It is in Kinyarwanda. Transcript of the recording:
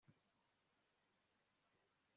Mwirinde Murwanye mwange irari ridasanzwe